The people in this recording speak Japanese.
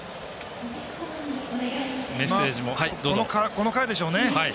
この回でしょうね。